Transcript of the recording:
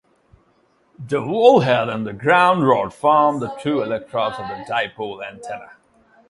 The wellhead and the ground rod form the two electrodes of a dipole antenna.